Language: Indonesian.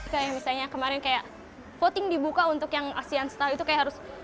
kayak misalnya kemarin kayak voting dibuka untuk yang asean style itu kayak harus